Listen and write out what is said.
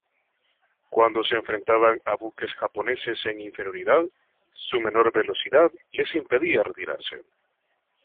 Cuando se enfrentaban a buques japoneses en inferioridad, su menor velocidad, les impedía retirarse.